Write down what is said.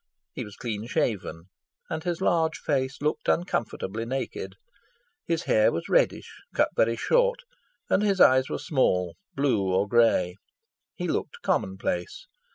He was clean shaven, and his large face looked uncomfortably naked. His hair was reddish, cut very short, and his eyes were small, blue or grey. He looked commonplace.